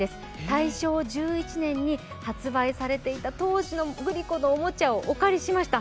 大正１１年に発売されていた当時のグリコのおもちゃをお借りしました。